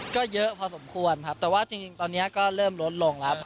ก็เยอะพอสมควรครับแต่ว่าจริงตอนนี้ก็เริ่มลดลงแล้ว